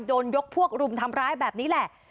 ยกพวกรุมทำร้ายแบบนี้แหละ